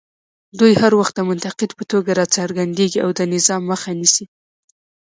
دوی هر وخت د منتقد په توګه راڅرګندېږي او د نظام مخه نیسي